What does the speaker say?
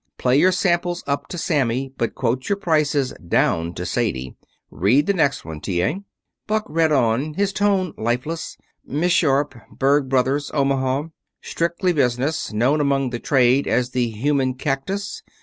Play your samples up to Sammy, but quote your prices down to Sadie. Read the next one, T. A." Buck read on, his tone lifeless: "Miss Sharp. Berg Brothers, Omaha. Strictly business. Known among the trade as the human cactus.